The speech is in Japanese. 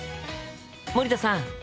森田さん